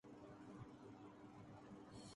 گرا ہوا تھا